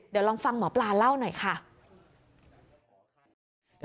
เดี๋ยวลองฟังหมอปลาเล่าหน่อยค่ะ